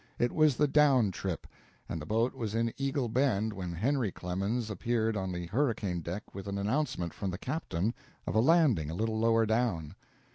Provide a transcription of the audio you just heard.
It was the down trip, and the boat was in Eagle Bend when Henry Clemens appeared on the hurricane deck with an announcement from the captain of a landing a little lower down.